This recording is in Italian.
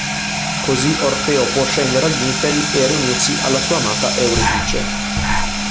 Così Orfeo può scendere agli Inferi e riunirsi alla sua amata Euridice.